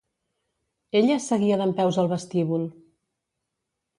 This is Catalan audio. Ella seguia dempeus al vestíbul.